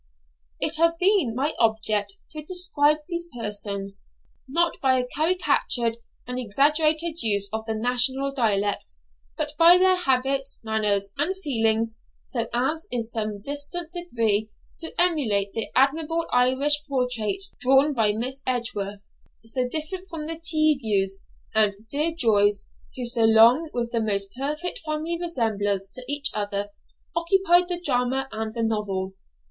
It has been my object to describe these persons, not by a caricatured and exaggerated use of the national dialect, but by their habits, manners, and feelings, so as in some distant degree to emulate the admirable Irish portraits drawn by Miss Edgeworth, so different from the 'Teagues' and 'dear joys' who so long, with the most perfect family resemblance to each other, occupied the drama and the novel.